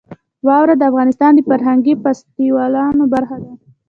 واوره د افغانستان د فرهنګي فستیوالونو برخه ده.